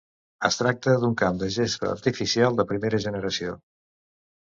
Es tracta d'un camp de gespa artificial de primera generació.